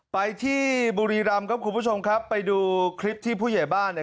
ไปที่บุรีรำครับคุณผู้ชมครับไปดูคลิปที่ผู้ใหญ่บ้านเนี่ย